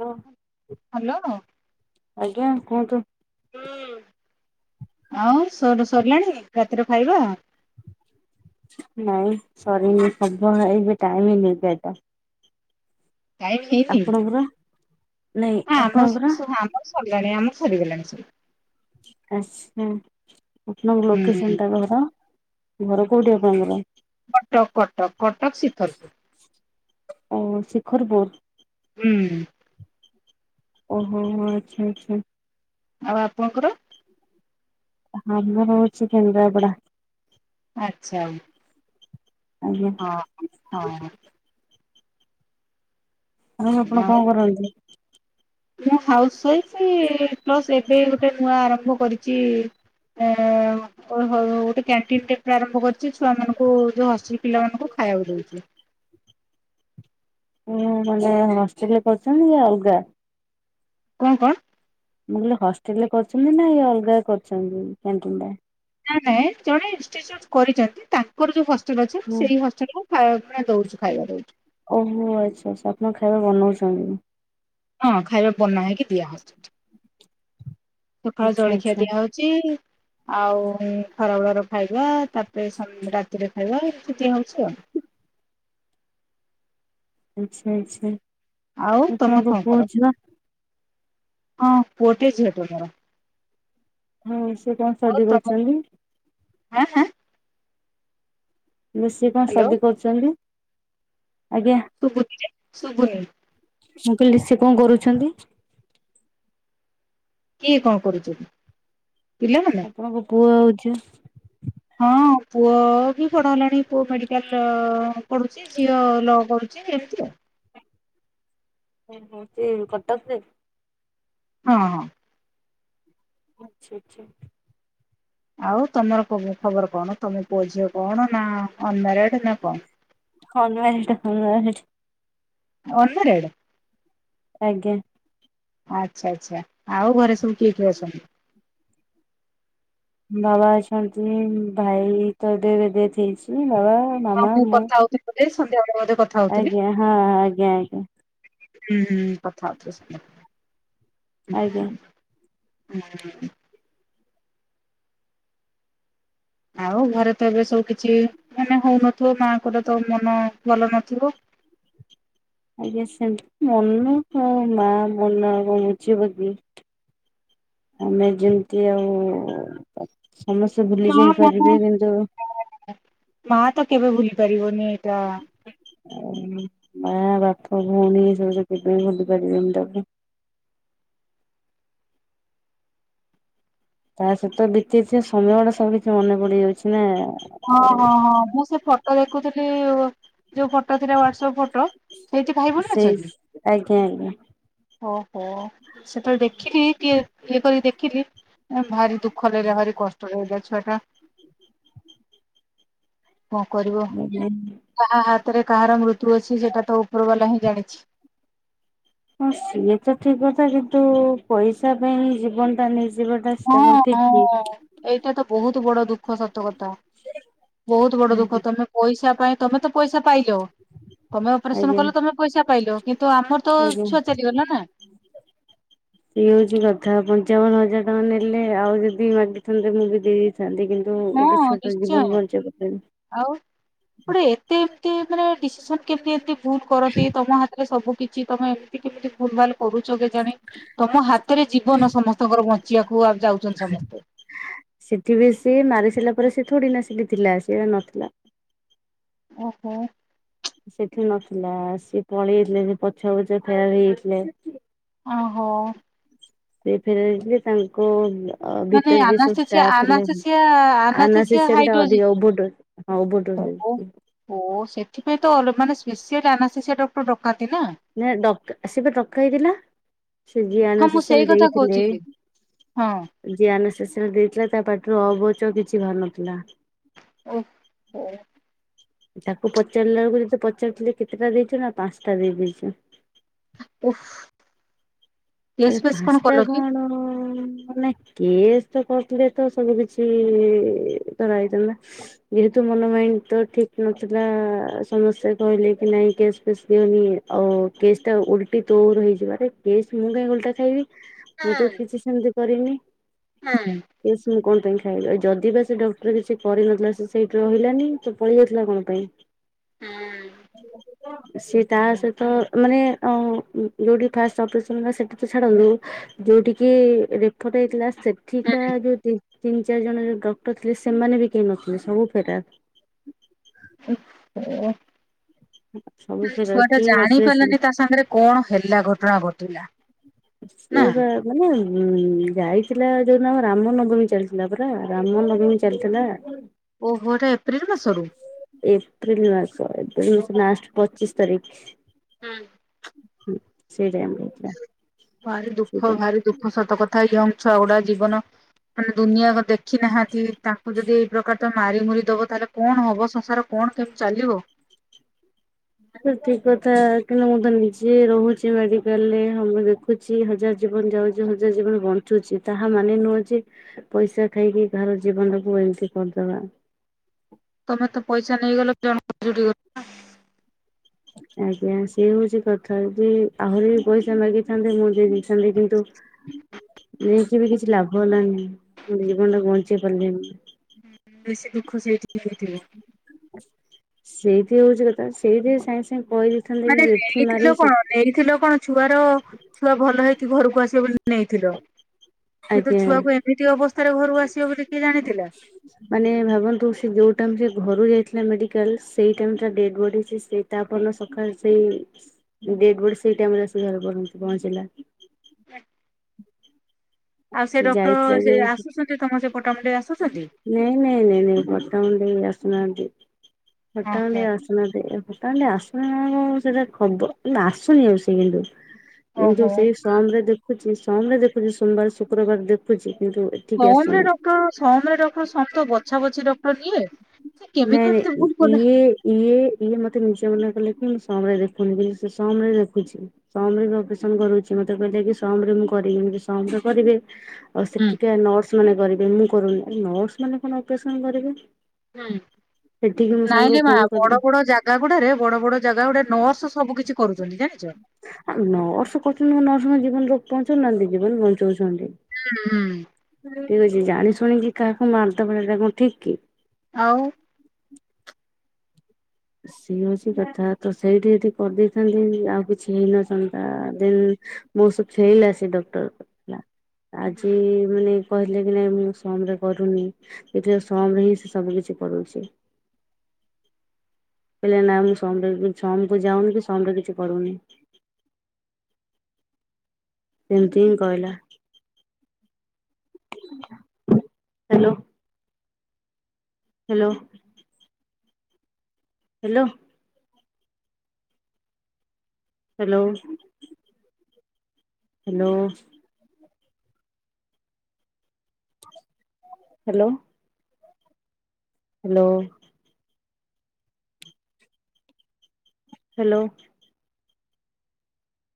Hello hello ଆଜ୍ଞା କୁହନ୍ତୁ? ହୁଁ ଆଉ ସରୁ ସରିଲାଣି ରାତିରେ ଖାଇବା ନାଇଁ ସରିନି ସବୁ ଏବେ ଟାଇମ ହେଇନି ଏଗାରଟା ଟାଇମ ହେଇନି? ନାଇ ଆପଣଙ୍କର ସରଲାଣନି ଆମର ସରିଗଲାଣି ସବୁ। ଆସା ଆପଣଙ୍କ ହୁଁ ଲୋକେସନଟା ଘର ଘର କୋଉଠି? ଆପଣଙ୍କର? କଟକ କଟକ କଟକ କଟକ ଶିଖରପୁର ଓ ଶିଖରପୁର ହୁଁ। ଓହୋ ହୋ ହୋ ଆଛା ଆଛା। ଆଉ ଆପଣଙ୍କର ହଁ ମୁଁ ରହୁଚି କେନ୍ଦ୍ରାପଡ଼ା। ଆଚ୍ଛା। ଆଜ୍ଞା ହଁ ହଁ ହଁ। ଆଉ ଆପଣ କଣ କରନ୍ତି? ମୁଁ ହାଉସ ୱାଇଫ୍ ପ୍ଲସ୍ ଏବେ ଗୋଟେ ନୂଆ ଆରମ୍ଭ କରିଚି ଏଁ ଓହୋ ଗୋଟେ କ୍ୟାଣ୍ଟିନ ଟାଇପର୍ ଆରମ୍ଭ କରିଚି। ଛୁଆମାନଙ୍କୁ ଯୋଉ ହଷ ଟେଲ୍ ପିଲାମାନଙ୍କୁ ଖାଇବାକୁ ଦଉଚି। ଉଁ ମାନେ ହଷ୍ଟେଲରେ କରୁଚନ୍ତି ଏୟା ଅଲଗା? କଣ କଣ? ମୁଁ କହିଲି ହଷ୍ଟେଲରେ କରୁଚନ୍ତି ନା ଏ ଅଲଗା କରୁଚନ୍ତି୍ କ୍ୟାଣ୍ଟିନଟା? ନାଁ ନାଇଁ ଜଣେ ଇନଷ୍ଟିଚୁଟ୍ କରିଚନ୍ତି। ତାଙ୍କର ଯୋଉ ହଷ୍ଟେଲ ଅଛି ହୁଁ ସେଇ ହଷ୍ଟେଲ ରୁ ଖାଇବା କୁ ପରା ଦଉଚୁ। ଖାଇବା ଦଉଚୁ। ଓହୋ ଆଚ୍ଛା ଆଚ୍ଛା ଆପଣ ଖାଇବା ବନଉଚନ୍ତି? ହଁ ଖାଇବା ବନା ହେଇକି ଦିଆ ହଉଚି। ସକାଳ ଆଚ୍ଛା ଜଳଖିଆ ଆଚ୍ଛା। ଦିଆ ହଉଚି। ଆଉ ଖରାବେଳର ଖାଇବା ତା ପରେ ସନ୍ ରାତିରେ ଖାଇବା ରୁଟି ଦିଆହଉଚି ଆଉ। ଆଛ ଆଚ୍ଛା ଆଉ ତମେ ଆପଣଙ୍କ କଣ ପୁଅ କର? ଝିଅ ହଁ ପୁଅଟେ ଝିଅଟେ ମୋର। ହଉ ସେ କଣ ଷ୍ଟଡି କରୁଚନ୍ତି? ହେଁ ହେଁ ମ ସିଏ କଣ ହ୍ୟାଲୋ ଷ୍ଟଡି କରୁଚନ୍ତି? ଶୁଭୁନି ରେ ଶୁଭୁନି। ମୁଁ କହିଲି ସେ କଣ କରୁଚନ୍ତି? କିଏ କଣ କରୁଚନ୍ତି? ପିଲାମାନେ ଆପଣଙ୍କ ପୁଅ ଆଉ ଝିଅ ପୁଅ ବି ପଢ଼ ହେଲାଣି ପୁଅ ମେଡ଼ିକାଲ ପଢ଼ୁଚି। ଝିଅ ଲ କରୁଚି ଏମିତି ଆଉ। ଓଃହୋ ସେ କଟକରେ? ହଁ ହଁ। ଆଚ୍ଛା ଆଚ୍ଛା। ଆଉ ତମର ଖ ଖବର କଣ ତମେ ପୁଅ ଝିଅ କଣ ନା ଅନମ୍ୟାରେଡ ନା କଣ? Unmarried unmarried. ଅନମ୍ୟାରେଡ? ଆଜ୍ଞା। ଆଚ୍ଛା ଆଚ୍ଛା ଆଉ ଘରେ ସବୁ କିଏ କିଏ ଅଛନ୍ତି? ବାବା ଅଛନ୍ତି ଭାଇ ତ ଏବେ ଏବେ ଡେଥ ହେଇଚି। ବାବା, ମାମା, ମୁଁ। ଏଇ ସନ୍ଧ୍ୟାବେଳେ ବୋଧ୍। ଆଜ୍ଞା ହଁ ଆଜ୍ଞା ଆଜ୍ଞା। ଉଁ କଥା ଆଉ ଥରେ [unintelligible] ଆଜ୍ଞା। ଉଁ। ଆଉ ଘରେ ତ ଏବେ ସବୁ କିଛି ମାନେ ହଉନଥିବ ମାଙ୍କର ତ ମନ ଭଲ ନଥିବ [inaudible] ଆଜ୍ଞା ସେମିତି ମନ ହଁ ମା ମନ ଆଉ କଣ ବୁଝିବ କି? ଆମେ ଯେମତି ଆଉ ସମସ୍ତେ ଭୁଲି ମା ମାନେ ଯାଇପାରିବେ କିନ୍ତୁ ମା ତ କେବେ ଭୁଲି ପାରିବନି ଏଇଟା। ମାଆ, ବାପ, ଭଉଣୀ ସବୁ ତ କେବେ ବି ଭୁଲି ପାରିବେନି ତାକୁ। ତା ସହିତ ବିତେଇ ଥିବା ସମୟ ଗୁଡା ସବୁ କିଛି ମନେ ପଡି ଯାଉଛି ନା। ହଁ ଆଉ ହଁ ହଁ ମୁଁ ସେ ଫଟୋ ଦେଖୁଥିଲି ଯୋଉ ଫଟୋ ଥିଲା ହ୍ୱାଟ୍ସଅପ ଫଟୋ। ସେଇଠି ଭାଇ ଭଉଣୀ ସେଇ ଅଛନ୍ତି। ଆଜ୍ଞା ଆଜ୍ଞା। ଓହୋ ସେତେବେଳେ ଦେଖିଲି ଟିକେ ଇଏ କରିକି ଦେଖିଲି ଭାରି ଦୁଃ- ଖରାରେ ଭାରି କଷ୍ଟ ରେ ଗଲା ଛୁଆଟା। କଣ କରିବ କାହା ହା - ଭିତରେ କାହାର ମୃତ୍ୟୁ ଅଛି ସେଟା ତ ଉପର ବାଲା ହିଁ ଜାଣିଛି। ହଁ ସିଏ ତ ଠିକ କଥା କିନ୍ତୁ ପଇସା ପାଇଁ ଜୀବନ ଟା ନେଇ ଜିବରଦାସ୍ ହଁ ତା କ ଠିକ କି। ହଁ। ଏଇଟା ତ ବହୁତ ବଡ ଦୁଃଖ ସତକଥା ବହୁତ ବଡ ଦୁଃଖ ଆଜ୍ଞା ତମେ ପଇସା- ପାଇଁ ତମେ ତ ପଇସା ପାଇଲ। ତମେ ଅପରେସନ କଲ ତମେ ପଇସା ପାଇଲ କିନ୍ତୁ ଆମର ତ ଛୁଆ ଚାଲିଗଲା ନା। ସେଇଏ ହଉଛି କଥା ପଞ୍ଚାବନ ହଜାର - ନେଲେ ଆଉ ଯଦି ମାଗିଥାନ୍ତେ ମୁଁ ବି ଦେଇ ଦେଇ ଥାନ୍ତି କିନ୍ତୁ - ହଁ ନିଶ୍ଚୟ ଆଉ ଗୋଟେ ଏତେ ଏମତି - ମାନେ ଡିସିସନ କେମିତି ଏମିତି ଭୁଲ କରନ୍ତି ତମ ହାତରେ ସବୁ କିଛି ତମେ ଏମିତି କେମିତି ଭୁଲ ଭାଲ କରୁଛ। କରୁଛ କେଜାଣି ତମ ହାତରେ ଜୀବନ ସମସ୍ତଙ୍କର ବଞ୍ଚିବାକୁ - ସେଠି ବି ସେ ମାରି ଥିଲା ପରେ ସେ ଥୋଡି ନା ସେଠୀ ଥିଲା ସେ ନଥିଲା। ଓହୋ। ସେଠି ନଥିଲା, [unintelligible] ସିଏ ପଳେଇ ଯାଇଥିଲେ ସେ ପଛ ପଛ ଫେର ହେଇଯାଇଥିଲେ। ଓ ହୋ। ସେ ଫେରି ଯାଇଥିଲେ, ତାଙ୍କ ଅ ମାନେ ଭିତରେ ଯେ ସବୁ ଆନାସ୍ଥେସିଆ ଷ୍ଟା [unintelligible] ଆା ଆନାସ୍ଥେସିଆ ଆନାସ୍ଥେସିଆ ହାଇଡ୍ରୋଜି ଅଧିକଟ ହଁ ହେଇଛି। ଓ ସେଥିପାଇଁ ତ ମାନେଡଟ [unintelligible] ନା ଡକା, ସେ ଡକା ହେଇଥିଲା। ସେ ହଁ ଜଆାନ ମୁଁ ସେଇ ଶଶୁର କଥା ଦେଇଥିଲେ କହୁଛି ହଁ ଜିଆାନ ଶଶୁର [unintelligible] ଯେ ଦେଇଥିଲା ତା ପାଟିରୁ ଅ ବ ଚ କିଛି ବାହାରୁ ନଥିଲା। ଓ ହ। ତାକୁ ପଚାରିଲା ବେଳକୁ, ଯଦି ପଚାରିଥିଲେ କେତେଟା ଦେଇଛୁ, ନା ପାଞ୍ଚଟା ଦେଇ ଦେଇଦେଇଛି। ଓଫ। ଆଉ ପାସ୍ତତା କଣ [unintelligible] କେସେ ତ କରିଥିଲେ ତ ସବୁ କିଛି ଧରା ହେଇଥାନ୍ତା ଯେହେତୁ। ମନ ମାଇଣ୍ଡ ତ ଠିକ ନଥିଲା, ସମସ୍ତେ କହିଲେ କି ନାଇଁ କେସ୍ ଫେସ୍ ଦଅନି, ଆଉ କେସ୍ ଟା ଉଲଟି ତୋର ହେଇଯିବାରେ। ମୁଁ କାଇହିଁ ଓଲଟା ଖାଇବି ମୁଁ ତ ହୁଁ କିଛି ସେମିତି କରନି, ହୁଁ କେସ ମୁଁ କଣ ପାଇଁ ଖାଇବି। ଖାଇବି ଯଦି ବା ସେ ଡକ୍ଟର କିଛି କରିନଥିଲା, ସେ ସେଇଠି ରହିଲାନି ତ ପଳେଇ ଆସିଲା କଣ ପାଇଁ। ହୁଁ। ସେତ। [unintelligible] ତା ସହିତ ମାନେ ଅଁ ଯୋଉଠି ଫାଷ୍ଟ ଅଫିସ ସେଠିକି ଛାଡ଼ୁନି ଯୋଉଠିକି ରେଫଟ ହେଇଥିଲା ସେଠିକା ଯୋଉ ତିନ୍ ତୀ ଚାରି ଜଣ ଯୋଉ ଡକ୍ଟର ଥିଲେ ସେମାନେ ବି କେହି ନଥିଲେ ସବୁ ଫେରାର। [unintelligible] [inaudible] ଫେରାର ଛୁଆ ଟା କେହି ଜାଣି ନଥିଲେ ପାରିଲାନି ତା ସାଙ୍ଗରେ କଣ ହେଲା ଘଟଣା ଘଟିଲା ନା ସିଏ ବା ମାନେ ଯାଇ ଥିଲା ଯୋଉ ଦିନ ରାମନବମୀ ଚାଲିଥିଲା ପରା ରାମ ନବମୀ ଚାଲିଥିଲା। ଓହୋ ଏଟା ଏପ୍ରିଲ ମାସ ରୁୁ? ଏପ୍ରିଲ ମାସ ଏପ୍ରିଲ ମାସ ଲାଷ୍ଟ ପଚିଶ ତାରିଖ। ହୁଁ। ସେଇ ଟାଇମରେ ହେଇଥିଲା ଭାରି ଦୁଃଖ ସେଇଟା ଭାରି ଦୁଃଖ ସତ କଥା ୟୋଙ୍ଗ ଛୁଆ ଗୁଡା ଜୀବନ ମାନେ ଦୁନିଆ ଦେଖି ନାହାନ୍ତି ତାଙ୍କୁ ଯଦି ଏଇ ପ୍ରକାର ତ ମାରିମରି ଦବ ତାହେଲେ କଣ ହବ ସଂସାର କଣ କଣ କେବେ ଚାଲିିବ? [inaudible] ଠିକ କଥା। କିନ୍ତୁ ମୁଁ ତ ନିଜେ ରହୁଛି ମେଡିକାଲରେ ମୁଁ ଦେଖୁଛି ହଜାର ଜ ଜୀବନ ଯାଉଚି ହଜାର ଜୀବନ ବଞ୍ଚୁଚି। ତାହା ମାନେ ନୁହଁ ଯେ ପଇସା ଖାଇକି କାହାର ଜୀବନଟାକୁ ଏମତି କରିଦବା। ତମେ ତ ପଇସା ନେଇଗଲ ଜଣକୁ ଜୁଟିଗଲ ଆଜ୍ଞା ସିଏ ହଉଛି କଥା, ଯେ ଆହୁରି ବି ପଇସା ମାଗିଥାନ୍ତେ ମୁଁ ଦେଇ ଥାନ୍ତି କିନ୍ତୁ ନେଇକି ବି କିଛି ଲାଭ ହେଲାନି, ମୁଁ ଜୀବନ ଟା ବଞ୍ଚେଇ ପାରିଲିନି। ହୁଁ ବେଶୀ ଦୁଃଖ ସେଇଠି ହେଇଥିବ। ସେଇଥି ହଉଛି କଥା ସେଇଥି ସାଙ୍ଗ ସାଙ୍ଗେ କହିଦେଇଥାନ୍ତେ ମାନେ କିନ୍ତୁ ଏଠି ମାରି ନେଇଥିଲ କଣ ନେଇଥିଲ କଣ ଛୁଆର ଛୁଆ ଭଲ ହେଇ ଘରକୁ ଆସିବ ବୋଲି ନେଇଥିଲ କିନ୍ତୁ ଆଜ୍ଞା। ଛୁଆକୁ ଏମିତି ଅବସ୍ଥା ମାନେ ଭାବନ୍ତୁ ସେ ଯୋଉ ଟାଇମ ସେ ଘରୁ ଯାଇ ଥିଲା ମେଡିକାଲ୍, ସେଇ ଟାଇମ୍ ତା ଡେଡବଡି ସିଏ ସେଇ ତାପରଦିନ ସକାଳ ସେଇ ଡେଡବଡି ସେ ସେଇ ଟାଇମରେ ଆସି ଘରେ ପହଞ୍ଚି ପହଞ୍ଚିଲା। [unintelligible] ଆଉ ସେ ଡକ୍ଟର ଯାଇଥିଲା ସେ ଯୋଉ ନାଇଁ ଆସୁଛନ୍ତି ତମ ସେ ପଟାମୁଣ୍ଡେଇ ଆସୁଛନ୍ତି? ନାଇଁ ନାଇଁ ନାଇଁ ବଟମ ଦେଇ ଆସ୍ ଯାନ୍ତି ଓହୋ ଖଟାନ୍ତି ଆସିନାହାଁନ୍ତି ତାହେଲେ ଆସୁନା କଣ ସେଇଟା ଖବର ନା ଆସୁନି ଆଉ ସେ କିନ୍ତୁ କିନ୍ତୁ ଓହୋ। ସେଇ ସମ୍ ରେ ଦେଖୁଚି ସମ୍ ରେ ଦେଖୁଚି ସୋମବାର ଶୁକ୍ରବାର ଦେଖୁଛି। କିନ୍ତୁ ଏଠିକି ସମରେ ଆସୁନି। ଡକ୍ଟର ସମରେ ଡକ୍ଟର ସବୁ ତ ବଛା ବଛି ଡକ୍ଟର ନିଏ ସେ କେମିତି ନାଇଁ ଏମିତି ନାଇଁ ଭୁଲ କଲେ ଇଏ ଇଏ ଇଏ ମତେ ନିଜେ ମନା କଲେ କି ସମ୍ ରେ ଦେଖୁନି କିନ୍ତୁ ସେ ସମ୍ ରେ ଦେଖୁଛି। ସମ୍ ରେ ବି ଅପରେସନ କରୁଛି। ମତେ କହିଲା କି ସମ୍ ରେ ମୁଁ କରିବିନି। ସମ୍ ରେ କରିବେ ଆଉ ହୁଁ ସେଠିକା ନର୍ସ ମାନେ କରିବେ, ମୁଁ କରୁନି। ଆରେ ନର୍ସ ମାନେ କଣ ଅପରେସନ କରିବେ ହୁଁ। ସେଠିକି ମୋ ନାଇଁ ସାଙ୍ଗକୁ ରେ ମା ଫୋନ କଲି ବଡ ବଡ ଜାଗା ଗୁଡା ରେ ବଡ ବଡ ଜାଗା ଗୁଡେ ନର୍ସ ସବୁ କିଛି କରୁଚନ୍ତି। ଜାଣିଚ? ଆଉ ନର୍ସ କରୁଛନ୍ତି କଣ ନର୍ସ କଣ ଜୀବନ ବଞ୍ଚଉ ନାହାଁନ୍ତି, ଜୀବନ ବଞ୍ଚଉଚନ୍ତି। ହୁଁ ହୁଁ। ଠିକ ଅଛି ଜାଣି ଶୁଣିକି କାହାକୁ ମାରିଦବାଟା ସେଇଟା କଣ ଠିକ କି? ଆଉ ସିଏ ହଉଛି କଥା। ତ ସେଇଠି ଯଦି କରିଦେଇଥାନ୍ତି ଆଉ କିଛି ହେଇନଥାନ୍ତା। ଦେନ୍ ମୋ ସହ ଖେଳିଲା ସେ ଡକ୍ଟର, ଥିଲା ଆଜି ମାନେ କହିଲେ କି ନାଇଁ ମୁଁ ସମ୍ ରେ କରୁନି ଦେଖିଲା ବେଳକୁ ସମ୍ ରେ ହିଁ ସେ ସବୁ କିଛି କରଉଛି। [inaudible] କହିଲେ ନା ମୁଁ ସମ୍ ରେ ସମ୍ କୁୁ ଯାଉନି କି, ସମ୍ ରେ କିଛି କରୁନି। [inaudible] ସେମତି ହିଁ କହିଲା। Hello. Hello. Hello. Hello. Hello. Hello. Hello. Hello.